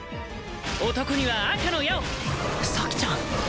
男には赤の矢を咲ちゃん！